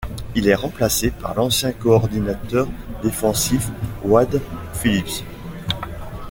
Il est remplacé par l'ancien coordinateur défensif Wade Phillips.